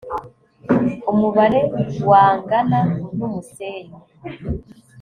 umubare wangana n’umusenyi